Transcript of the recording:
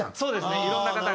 いろんな方が。